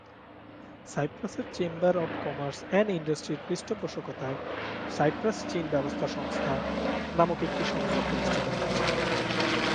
সাইপ্রাসের chamber of commerce and ইন্ডাস্ট্রির পৃষ্ঠপোষকতায় "সাইপ্রাস-চীন ব্যবসা সংস্থা" নামক একটি সংস্থা প্রতিষ্ঠিত হয়েছে।